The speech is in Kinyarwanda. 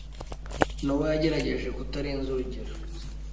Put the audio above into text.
Nowa yagerageje kutarenza urugero.